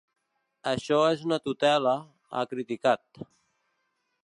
“Això és una tutela”, ha criticat.